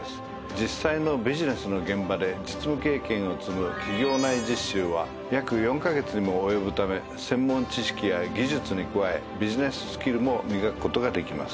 実際のビジネスの現場で実務経験を積む企業内実習は約４カ月にも及ぶため専門知識や技術に加えビジネススキルも磨く事ができます。